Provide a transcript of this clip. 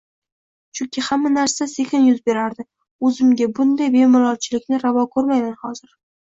chunki hamma narsa sekin yuz berardi, oʻzimga bunday «bemalolchilik»ni ravo koʻrmayman hozir.